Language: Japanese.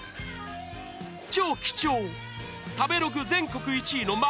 超貴重食べログ全国１位の幻